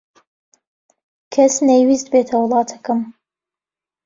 کەس نەیویست بێتە وڵاتەکەم.